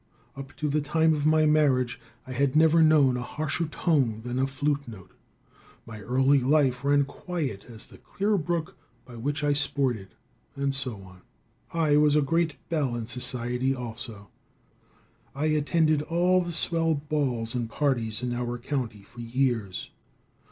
Up to the time of my marriage, I had never known a harsher tone than a flute note; my early life ran quiet as the clear brook by which I sported, and so on. I was a great belle in society, also. I attended all the swell balls and parties in our county for years.